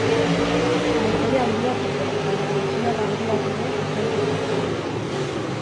Botere handia zuten baina matxinada handiak ere izan zituzten.